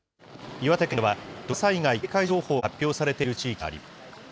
岩手県では、土砂災害警戒情報が発表されている地域があります。